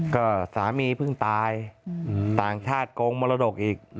ก็สามีเพิ่งตายต่างชาติโกงมรดกอีก